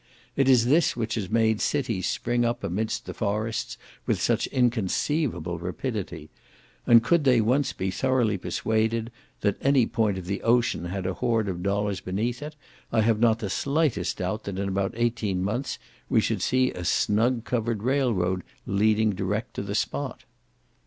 It is this which has made cities spring up amidst the forests with such inconceivable rapidity; and could they once be thoroughly persuaded that any point of the ocean had a hoard of dollars beneath it, I have not the slightest doubt that in about eighteen months we should see a snug covered rail road leading direct to the spot.